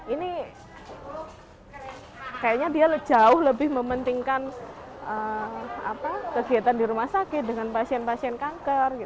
ini kayaknya dia jauh lebih mementingkan kegiatan di rumah sakit dengan pasien pasien kanker